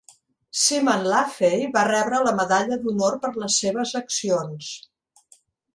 Seaman Laffey va rebre la Medalla d'Honor per les seves accions.